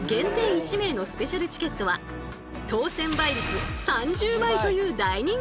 １名のスペシャルチケットは当選倍率３０倍という大人気っぷり！